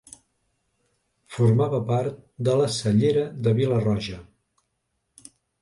Formava part de la Cellera de Vila-roja.